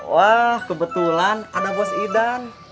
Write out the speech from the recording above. wah kebetulan ada bos idan